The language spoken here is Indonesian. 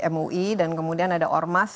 mui dan kemudian ada ormas